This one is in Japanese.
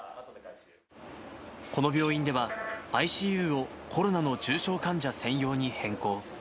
この病院では、ＩＣＵをコロナの重症患者専用に変更。